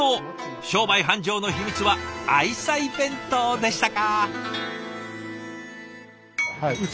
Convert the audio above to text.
商売繁盛の秘密は愛妻弁当でしたか！